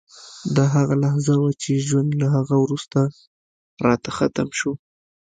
دا هغه لحظه وه چې ژوند له هغه وروسته راته ختم شو